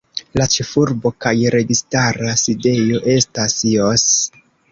La ĉefurbo kaj registara sidejo estas Jos.